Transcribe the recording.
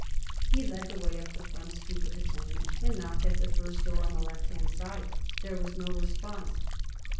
He led the way up the front stoop of the tenement and knocked at the first door on the left hand side. There was no response.